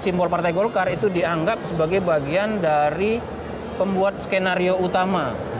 simbol partai golkar itu dianggap sebagai bagian dari pembuat skenario utama